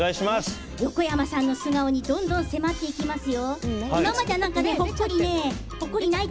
横山さんの素顔にどんどん迫っていきますよ。